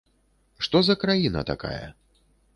Што за краіна такая?